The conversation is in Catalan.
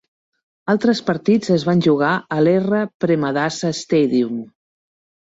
Altres partits es van jugar al R. Premadasa Stadium.